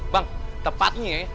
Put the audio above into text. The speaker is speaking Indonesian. bang tepatnya ya